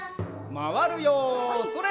まわるよそれ！